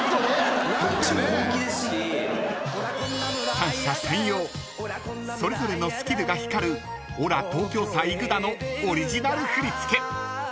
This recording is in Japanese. ［三者三様それぞれのスキルが光る『俺ら東京さ行ぐだ』のオリジナル振り付け］